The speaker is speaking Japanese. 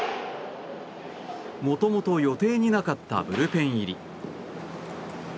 もともと予定になかったブルペン入り。